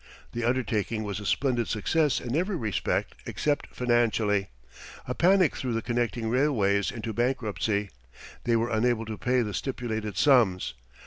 The undertaking was a splendid success in every respect, except financially. A panic threw the connecting railways into bankruptcy. They were unable to pay the stipulated sums.